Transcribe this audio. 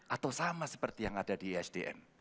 atau sama seperti yang ada di isdm